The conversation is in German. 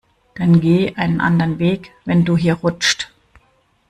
Dann geh einen anderen Weg, wenn du hier rutscht.